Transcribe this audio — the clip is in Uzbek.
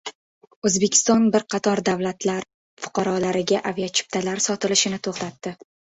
O‘zbekiston bir qator davlatlar fuqarolariga aviachiptalar sotilishini to‘xtatdi